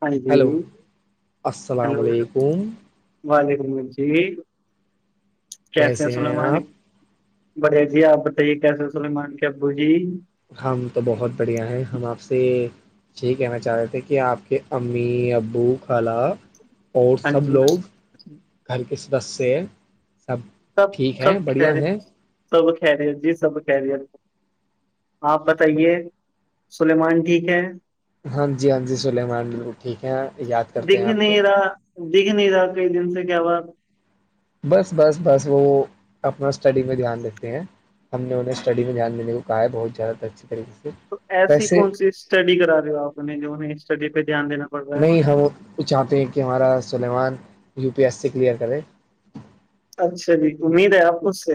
ہاں جی ہیلو السلام ہیلو علیکم وعلیکم جی کیسے ہیں السلام علیکم بڑھیا جی آپ بتائیے کیسے سلمان کے ابو جی ہم تو بہت بڑھیا ہیں ہم آپ سے یہی کہنا چاہ رہے تھے کہ آپ کے امی ابو خالہ اور ہاں سب جی لوگ گھر کے سدس سے سب ٹھیک سب ہے بڑھیا خیر ہے سب خیریت جی سب خیریت آپ بتائیے سلیمان ٹھیک ہے ہاں جی ہاں جی سلیمان بالکل ٹھیک ہے یاد کرتے ہیں دکھ آپ کو نہیں رہا دکھ نہیں رہا کئی دن سے کیا ہوا بس بس بس وہ اپنا اسٹڈی میں دھیان دیتے ہیں ہم نے انہیں اسٹڈی میں دھیان دینے کو کہا ہے بہت زیادہ اچھی طریقے سے تو ایسی ویسے کون سی اسٹڈی کرا رہے ہو آپ نے جوہیں اسٹڈی پہ دھیان دینا پڑ رہا نہیں ہے ہم وہ چاہتے ہیں کہ ہمارا سلیمان یو پی ایس سے کلیئر کرے اچھا جی امید ہے آپ کو اسے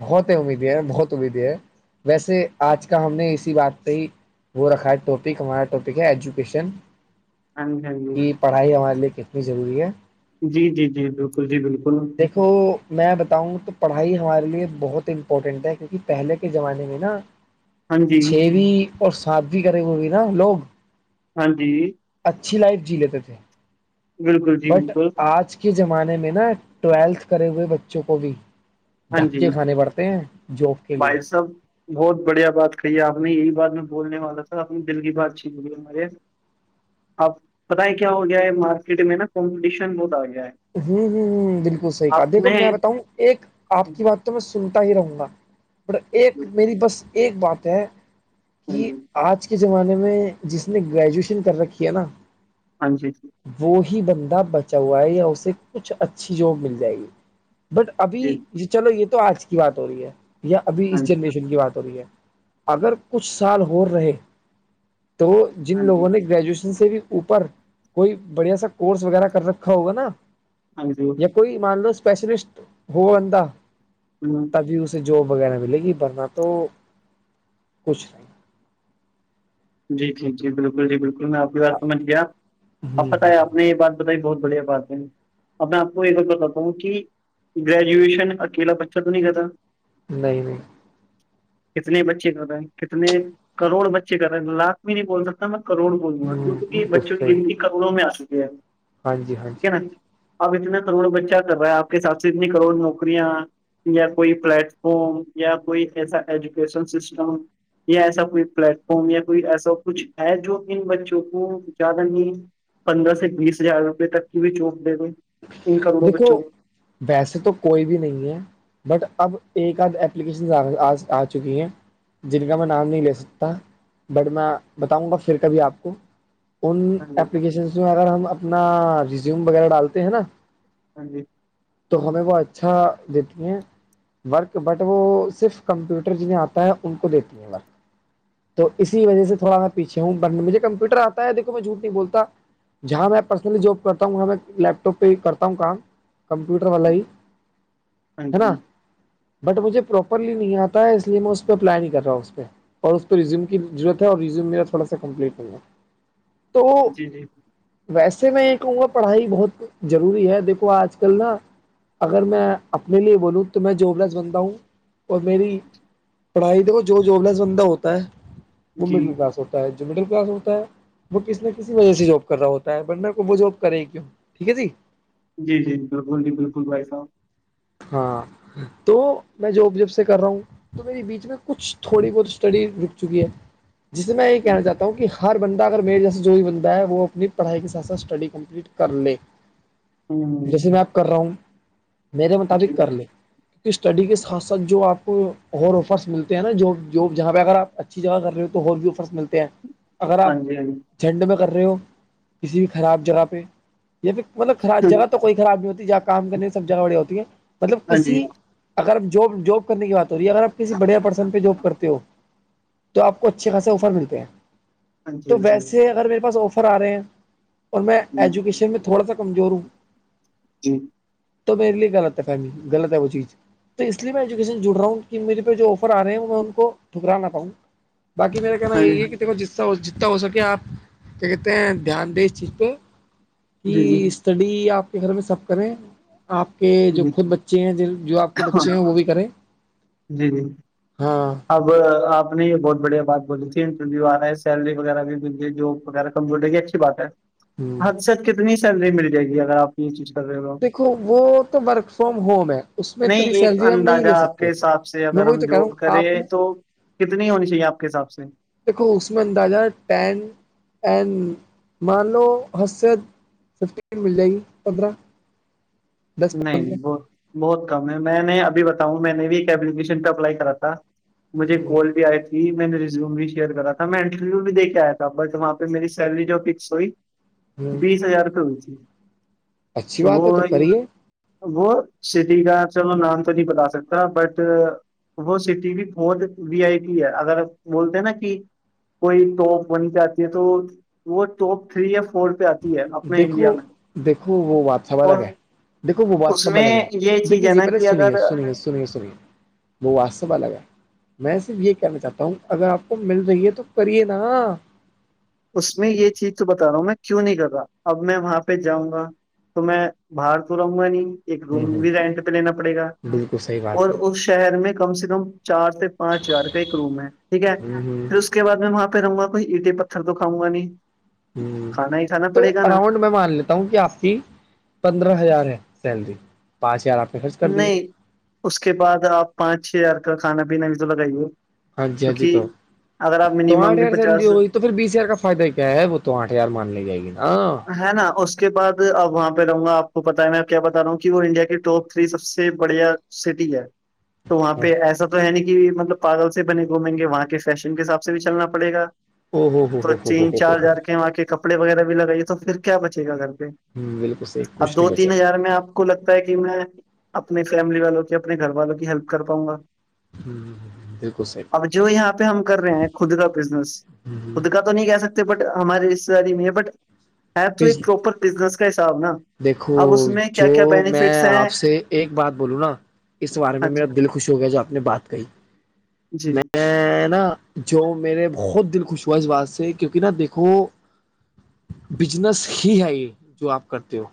بہت ہے امیدیں ہیں بہت امیدیں ہیں ویسے آج کا ہم نے اسی بات پہ ہی وہ رکھا ہے ٹاپک ہمارا ٹاپک ہے ایجوکیشن کی [inaudible] پڑھائی ہمارے لیے کتنی ضروری ہے جی جی جی بالکل جی بالکل دیکھو میں بتاؤں تو پڑھائی ہمارے لیے بہت امپورٹینٹ ہے کیونکہ پہلے کے زمانے میں نا ہاں جی چھویں اور ساتویں کریں گےنا ہم لوگ ہاں جی اچھی لائف جی لیتے تھے بالکل جی بٹ بالکل آج کے زمانے میں نا ٹویلتھ کرے ہوئے بچوں کو بھی ہاں جی دھکے کھانے پڑتے ہیں جاب کے لیے بھائی صاحب بہت بڑھیا بات کہی ہے آپ نے یہی بات میں بولنے والا تھا اپنی دل کی بات چھین ہمارے آپ پتہ ہے کیا ہو گیا ہے مارکیٹ میں نا کمپٹیشن بہت آ گیا ہے ہوں ہوں ہ بالکل صحیح کہ آپ دیکھو نے میں بتاؤں ایک آپ کی بات تو میں سنتا ہی رہوں گا پر ایک میری بس ایک بات ہے ہاں کہ جی آج کے زمانے میں جس نے گریجویشن کر رکھی ہے نا ہاں جی وہی بندہ بچا ہوا ہے یا اسے کچھ اچھی جاب مل جائے گی بٹ ابھی جی یہ چلو یہ تو آج کی بات ہو رہی ہے یا ابھی اس ہاں جی جنریشن کی بات بڑھیا اگر کچھ سال ہو رہے تو جن ہاں جی لوگوں نے گریجویشن سے بھی اوپر کوئی بڑھیا سا کورس وغیرہ کر رکھا ہوگا نا [inaudible] یا کوئی مان لو اسپیشلسٹ ہو بندہ ہاں تبھی اسے جاب وغیرہ ملے گی ورنہ تو کچھ نہیں جی ٹیھک جی بالکل جی بالکل میں آپ کی بات سمجھ گیا آپ ہ پتہ ہے آپ نے یہ بات بتائے بہت بڑھیا بات ہے اب میں آپ کو یہ بات بتاتا ہوں کہ گریجویشن اکیلا بچہ تو نہیں کرتا نہیں نہیں کتنے بچے کر رہ ہیں کتنے کروڑ بچے کرتے لاکھ میں نہیں بول سکتا میں کروڑ بولوں گا ہوں کیوںک کہ بالکل بچے صحیح گنتی کروڑوں میں آ چکے ہیں ہاں جی ہاں ٹھیک جی ہے نا ہاں جی آپ اتنا کروڑ بچہ کر رہے ہیں آپ کے حساب سے اتنی کروڑ نوکریاں یا کوئی پلیٹ فارم یا کوئی ایسا ایجوکیشن سسٹم یا ایسا کوئی پلیٹ فارم یا کوئی ایسا کچھ ہے جو ان بچوں کو زیادہ نہیں پندرہ سے بیس ہزار روپے تک کی بھی چوک دے گئی دیکھو ویسے تو کوئی بھی نہیں ہے بٹ اب ایک آد اپلیکیشن آ چکی ہیں جن کا میں نام نہیں لے سکتا بٹ میں بتاؤں گا پھر کبھی آپ کو ان ہاں جی اپلیکیشنس میں اگر ہم اپنا ریزیوم وغیرہ ڈالتے ہیں نا ہاں جی تو ہمیں وہ اچھا دیتی ہیں ورک بٹ وہ صرف کمپیوٹر جنہیں آتا ہے ان کو دیتی ہیں ورک تو اسی وجہ سے تھوڑا پیچھے ہوں بن مجھے کمپیوٹر آتا ہے دیکو میں جھوٹ نہیں بولتا جہاں میں پرسنلی جاب کرتا ہوں وہاں میں لیپ ٹوپ پہ کرتا ہوں کام کمپیوٹر والا ہی ہاں ہے نا جی بٹ مجھے پراپرلی نہیں آتا ہے اس لیے میں اس پہ پلان ہی کر رہاوں اس پہ اور اس کو ریزیوم کی ضروت اور ریزیوم میرا تھوڑا س کمپلیٹ ہوا تو جی جی ویسے میں یہ کہوں گا پڑھائی بہت ضروری ہے دیکھو آج کل نا اگر میں اپنے لیے بولوں تو میں جوب لس بندتا ہوں اور میری پڑھائی دو جو جوبلس بندہ ہوتا ہے وہ جی مڈل کلاس ہوتا ہے جو مڈل کلاس ہوتا ہے وہ کسی نہ کسی وجہ سے جاب کر رہا ہوتا ہے ورنہ وہ جاب کرے کیوں ٹھیک ہے جی جی جی بالکل جی بالکل بھائی صاحب ہاں تو میں جاب جب سے کر رہا ہوں تو میے بیچ میں کچھ تھوڑی بہت اسٹڈی رک چکی ہے جس سے میں یہ کہنا چاہتا ہوں کیونکہ ہر بندہ اگر میرے جیسے جو بھی بندہ ہے وہ اپنی پڑھائی کے ساتھ ساتھ اسٹڈی کمپلیٹ کر لے ہوں جیسے میں اب کر رہا ہوں میرے جی مطابق کر لیں کیکہ اسٹڈی کے ساتھ ساتھ جو آپ کو اور آفرس ملتے ہیں نا جو جوب جہاں پہ اگر آپ اچھی جگہ کر رہے ہو تو ہو بھی آفرس ملتے ہیں اگر آپ ہاں جی ہاں جھنڈ میں کر رہے ہو کسی بھی خراب جگہ پہ یا پھر مطلب خراب جی جگہ کوئی خراب نہیں ہوتی ج آپ کام کرنے سب جگہ بڑی ہوتی ہیں مطلب ہاں جی کسی اگر ج جاب کرنے کی بات ہو رہی ہے اگر آپ کسی بڑھیا پرسن پہ جاب کرتے ہو تو آپ کو اچھے خاصے آفر ملتے ہیں ہاں جی تو ہاں جی ویسے اگر میرے پاس آفر آ رہے ہیں اور میں ایجوکیشن میں تھوڑا سا کمزور ہوں جی تو میرے لیے غلط ہے فمی غلط ہے وہ چیز تو اس لیے میں ایجویشن جڑ رہا ہوں کہ میرے پہ جو آفر آے ہیں وہ میں ان کو ٹھکرا نہ پاؤں بقی میرے کہنا ہاں جی یہ کہ دیکھو ج جتنا ہو سکے آپ کیا کہتے ہیں دھیان دیں اس چیز پہ کہ جی جی اسٹڈی آپ کے گھر میں سب کریں آپ کہ جو خود بچے ہیں جو آپ کے بچے ہیں وہ بھی کریں جی ہاں اب آپ نے یہ بہت بڑھیا بات بولی تھی انٹرویو آ رہا ہے سیلری وغیرہ بھی مل ہے جو وغیرہ کمزٹر اچھی بات ہے ہ اوثت کتنی سیلری مل جائے گی اگر آپ یہ چیز کر رہےا دیکھو وہ تو ورک فرام ہوم ہے اس میں نہیں اتنی ایک سیلری ہم نہیں لے اندازہ آپ سکتے کے حساب سے میں اگر وہی ہم تو کہہ رہا ہوں جاب آپ کریں تو کتنی ہونی چاہیے آپ کے حساب سے دیکھو اس میں اندازاٹینمان لو حست [unintelligible] فف مل جائے گی پندرہ [unintelligible] دس نہیں پندرہ بہت بہت کم ہے میں نے ابھی بتاؤں میں نے بھی ایک اییکیشن پی اپلائی کرا تھا مجھے کال بھی آئی تھی میں نے ریزوم بی شیئر کرا تھا می انٹرویو بھی دے کے آیا تھا بٹ وہاں پہ میری سیلری جو فکس ہوئی [unintelligible] ہ بیس ہزار روپ ہوے اچھی بات ہے تو کریے وہ سٹی کا چلو نام تو نہیں بتا سکتا پر وہ سٹی بھی بہحت وی آئی پی ہے اگر بولتے ہیں نا کہ کوئی تو ون پہ آتی ہے تو وہ تو فری اف فور پہ آت دیکھو دیکھو وہ بات سب اور الگ ہے دیکھو وہ بات اس سب میں لگ ہے یہ چیز دیکھیے ہے جی نا پہلے کہ سنیے اگر سنیے سنیے سنیے وہ بات سب الگ ہے میں صرف یہ کہنا چاہتا ہوں اگر آپ کو مل رہی ہے تو کریے نا اس میں یہ چیز تو بتا رہا ہوں میں کیوں نہیں کر رہا اب میں وہاں پہ جاؤں گا تو میں باہر تو رہوں گا نہیں ایک ہوں روم ہوں بھی رینٹ پہ لینا پڑے گا بالکل صحیح اور بات ہے اس شہر میں کم سے کم چار سے پانچ ہزار کا ایک روم ہے ٹھیک ہے ہ ہ پھر اس کو اس کے بد میں وہاں پہ رہوں گا کوئی اینٹ پتھر تو کھاؤ گا نہیں ہ کھانا ہی کھانا تو پڑے گا نا اراؤنڈ میں مان لے ہوں کہ آپ کی پندرہ ہزار ہے سیلری پانچ ہزار آپ نے خرچ کر دیے نہیں اس کے بعد آپ پانچ چھ ہزار کا کھانا پینا بھی تو لگائیے ہاں جی ہاں جی کیونکہ تو اگر آپ تو آٹ منیمم بھی ہزار سیلری پچاس ہو گئی تو پھر بیس ہزار کا فائدہ کیا ہے وہ تو آٹ ہزار مان لی جائے گی ہاں ہے نا اس کے بعد اب وہاں پہ رہوں آپ کو پتا ہے میں کیا بتا رہا ہوں کہ وہ انڈیا کے ٹپ تھری سب سے بڑھیا سٹی ہے تو وہاں پہ ایسا تو ہے ن کہ مطلب پاگل سے بنے گھومیں گے وہاں کے فیشن کے حساب سے بھی چلنا پڑےا او ہو ہو تو ہو ہو تین ہو چار ہو ہزار کے وہاں کے کپڑے وغیرہ بھی لگائیے تو پھر کیا بچے گا گھر پہ بالکل صحیح اب کچھ دو نہیں بچے تین ہزار میں آپ کو لگتا ہے کہ میں اپنے فیملی والوں کی اپنے گھر والوں کی ہیلپ کر پاؤں گا بالکل صحیح اب بالکل جو یہاں پہ ہم کر رہے ہیں خود کا بزنس خود صحیح کا تو نہیں کہہ سکتے بٹ ہماریے شاری میں ہے بٹ ہے تو ایک پروپر بزنس کا حساب نا اب اس دیکھو میں کیا کیا جو میں بینیفٹس ہیں آپ سے ایک بات بولوں نا اس بارے ہاں میں میرا جی دل خوش ہو گیا جو آپ نے بات کہی جی میں میں نا جو میرے بہت دل خوش ہوا اس بات سے کیونکہ نا دیکھو بزنس ہی ہے یہ جو آپ کرتے ہو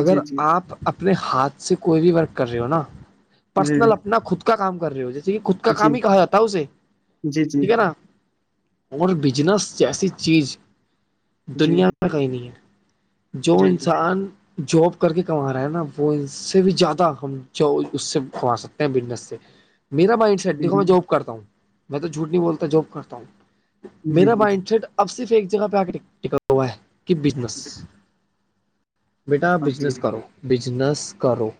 اگر جی جی آپ اپ اپنے ہاتھ سے کوئی بھی ورک کر رہے ہو نا جی پرسنل اپنا خود کا کام کر رہے ہو جی ج خود کا کام جی ہی کہا جاتا اسے جی جی ٹھیک ہے جی نا اور بجنس جیسی چیز دنیا میں کہیں نہیں ہے جو جی جی انسان جاب کر کے کما رہا ہے نا وہ ان سے بھی زیادہ ہم جو اس سے بکواس ہیں بزنس سے میرا مائنڈ دیکھو جی میں جاب کرتا ہوں میں تو جھوٹ نہیں بولتا جاب کرتا ہوں جی میرا جی مائنڈ سیٹ اب صرف ایک جگہ پہ آ ٹکا ہوا ہے کہ بزنس جی بیٹا ہاں جی بزنس کرو بزنس کرو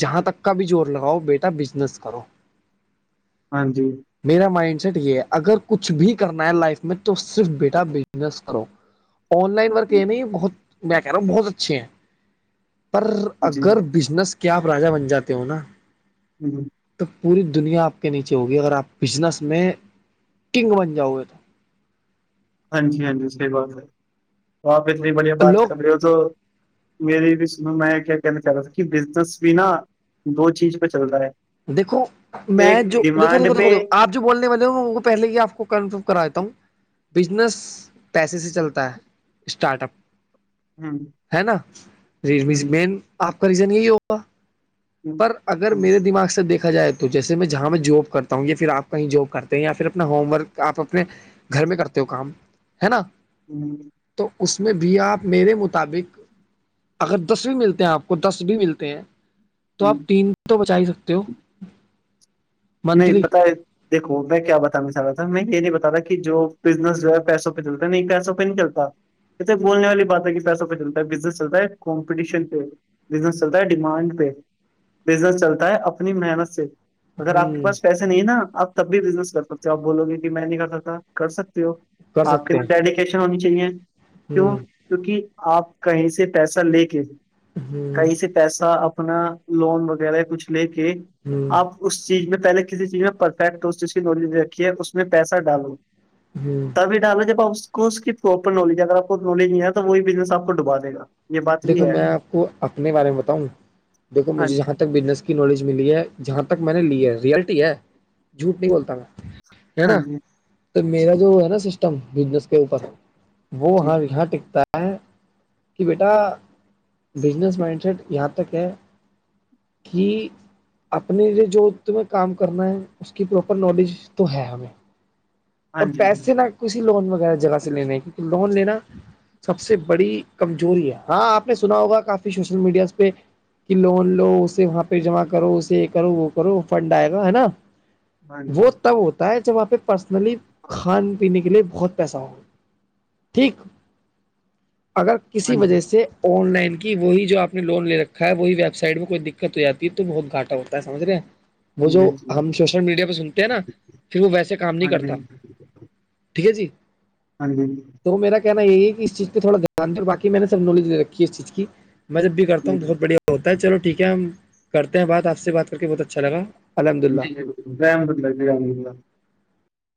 جہاں تک کا بھی زور لگاؤ بیٹا بزنس کرو ہاں جی میرا مائنڈ سیٹ یہ ہے اگر کچھ بھی کرنا ہے لائف میں تو صرف بیٹا بزنس کرو آن لائن ورک یہ نہیں بہت میں کہہ رہا ہوں بہت اچھے ہیں پر جی جی اگر بزنس کے آپ راجا بن جاتے ہو نا جی ج تو پوری دنیا آپ کے نیچے ہوگی اگر آپ بزنس میں کنگ بن جاؤ گے تو ہاں جی ہاں جی صحیح بات ہے تو آپ اتنی بڑھیا بات لوگ کر رہے ہو تو میرری بھی س میں کیا کہنا چاہ رہا تھا کہ بزنس بھی نہا دو چیز پہ چل رہا ہے دیکو میں ایک جو دیکھو دیکھو ڈیمانڈ دیکھو پہ دیک آپ بولنے والے میں وہ پہلے ہی آ کو کنفرم کراتا ہوں بزنس پیسے سے چلتا ہے اسٹارٹ اپ ہ ہے نا ریلمی ہ مین آپ کا ریزن یہی ہوگا پر اگر ہ میرے دماغ سے دیکھا جائے تو تو جیسے میں جہاں میں جاب کرتا ہوں یا پھر آپ کہیں جاب کرتے ہیں یا پھر اپنا ہوم ورک آپ اپنے گھر میں کرتے ہو کام ہے نا ہی تو اس میں بھی آپ میرے مطابق اگر دس بھی ملتے ہیں آپ کو دس بھی ملتے ہیں تو ہ آپ تین تو بچا ہی سکتے ہو منتھلی نہیں پتہ ہے دیکھو میں کیا بتانا چاہ رہا تھا میں یہ نہیں بتا رہا کہ جو بزنس جو ہے پیسوں پہ چلتا نہیں پیسوں پہ نہیں چلتا ا تو بولنے والی بات ہے کہ پیسہ پہ چلتا ہے بزنس چلتا ہے کمپٹیشن پ بزنس چلتا ہے ڈیمانڈ پہ بزنس چلتا ہے اپنی محنت سے اگر آپ ہوں پاس پیسے نہیں ہے نا آپ تب بھی بزنس کر سکتے ہو آپ بولو گے کہ میں نہیں کر سکتا کر سکتی ہو کر آپ سکتے کےدر ہیں ڈیڈیکیشن ہونی چاہیے کیوں ہوں کیونکہ آپ کہیں سے پیسہ لے کے ہوں کہیں سے پیسہ اپنا لون وغیرہ کچھ لے کے ہوں آپ اس چیز میں پہلے کسی چیز میں پرفیکٹ اس چیز کی نوی رکھی ہے اس میں پیسہ ڈالو جی تبھی ڈالو جب آپ کو اس کی پراپر نالج ہے اگر آپ کو نالج نہیں آ تو وہی بزنس آپ کو ڈبا دےا دیکھو میں آپ کو اپنے بارے میں بتاؤں دیکھو ہاں مجھے یہاں ک بزنس کی نالج ملی ہے جہاں تک میں نے لی ہے ریلٹی ہے جھوٹ نہیں بولتا میں ہے ہاں نا جی تو میرا جو ہے نا سسٹم بزنس اوپر وہ جی ہاں یہاں ٹکتا ہے کہ بیٹا بزنس مائنڈ سیٹ یہاں تک ہے کہ اپنے لیے جو تمہیں کام کرنا ہے اس کی پراپر نالج تو ہے ہمیں ہاں اور جی پیسے نہ کسی لون وغیرہ جگہ سے لینے ہیں کیونکہ لون لینا سب سے بڑی کمزوری ہے ہاں آپ نے سنا ہوگا کافی سوشل میڈیاز پہ کہ لون لو اسے وہاں پہ جمع کرو اسے یہ کرو وہ کرو فنڈ آئے گا ہے نا ہاں وہ جی تب ہوتا ہے جب وہاں پہ پرسنلی کھان پینے کے لیے بہت پیسہ ہوگا ٹھیک اگر ہاں کسی جی وجہ سے آن لائن کی وہی جو آپ نے لون لے رکھا ہے وہی ویب سائٹ میں کوئی دقت ہو جاتی ہے تو بہت گھاٹا ہوتا ہے سج رہے ہیں وہ جی جو جی ہم سوشل میڈیا پہ سنتے ہیں نا پھر وہ ویسے کام نہیں ہاں جی کرتا ٹھیک ہے جی ہاں جی تو میرا کہنا یہی ہے کہ اس چیز پہ تھوڑا دھیان دیں اور باقی میں نے سب نالج دے رکھی اس چیز کی میں جب بھی کرتا جی ہوں جی بہت بڑھیا ہوتا ہے چلو ٹھیک ہے ہم کرتے ہیں بات آپ سے بات کر کے بہت اچھا لگا الحمد للہ [inaudible]